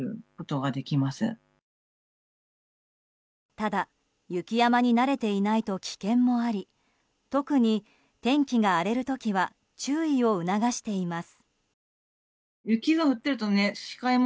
ただ、雪山に慣れていないと危険もあり特に、天気が荒れる時は注意を促しています。